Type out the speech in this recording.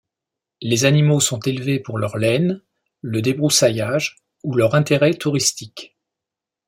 Les animaux sont élevés pour leur laine, le débroussaillage ou leur intérêt touristique.